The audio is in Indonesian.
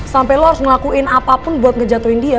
sampai lo harus ngelakuin apapun buat ngejatuhin dia